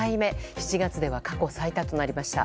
７月では過去最多となりました。